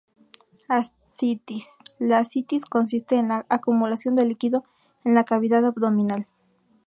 Ascitis: La ascitis consiste en la acumulación de líquido en la cavidad abdominal.